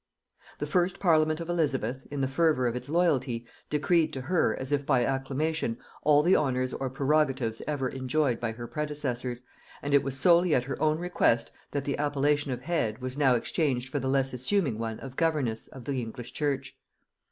The first parliament of Elizabeth, in the fervor of its loyalty, decreed to her, as if by acclamation, all the honors or prerogatives ever enjoyed by her predecessors, and it was solely at her own request that the appellation of Head, was now exchanged for the less assuming one of Governess, of the English church.